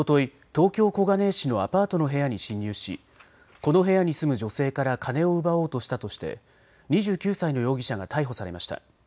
東京小金井市のアパートの部屋に侵入しこの部屋に住む女性から金を奪おうとしたとして２９歳の容疑者が逮捕されました。